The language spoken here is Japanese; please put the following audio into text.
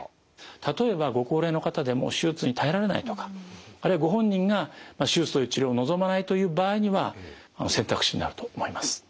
例えばご高齢の方でもう手術に耐えられないとかあるいはご本人が手術という治療を望まないという場合には選択肢になると思います。